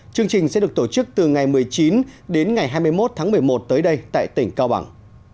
chương trình sẽ được tổ chức từ ngày một mươi chín đến ngày hai mươi một tháng một mươi một tới đây tại tỉnh cao bằng